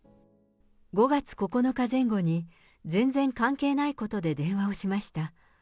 ５月９日前後に、全然関係ないことで電話をしました。